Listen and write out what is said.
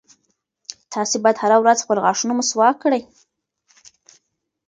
تاسي باید هره ورځ خپل غاښونه مسواک کړئ.